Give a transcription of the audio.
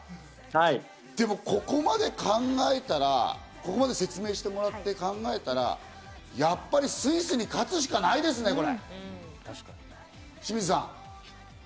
でもここまで考えたら、ここまで説明してもらって考えたら、やっぱりスイスに勝つしかないですね、これ、清水さん。